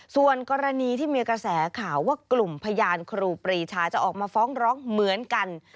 ส่วนกรณีที่มีกระแสข่าวว่ากลุ่มพยานครูปรีชาจะออกมาฟ้องร้องเหมือนกัน